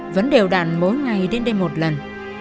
tặng mỗi ngày đến đây một lần